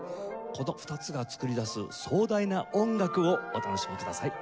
この２つが作り出す壮大な音楽をお楽しみください。